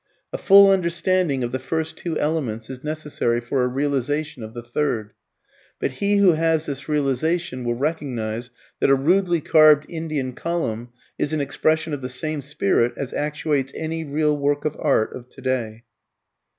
A full understanding of the first two elements is necessary for a realization of the third. But he who has this realization will recognize that a rudely carved Indian column is an expression of the same spirit as actuates any real work of art of today.